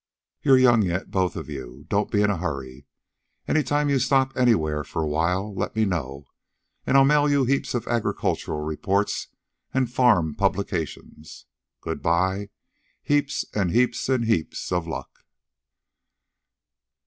You're young yet, both of you. Don't be in a hurry. Any time you stop anywhere for a while, let me know, and I'll mail you heaps of agricultural reports and farm publications. Good bye. Heaps and heaps and heaps of luck."